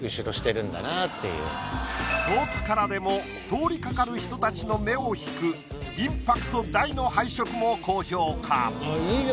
遠くからでも通りかかる人たちの目を引くインパクト大の配色も高評価。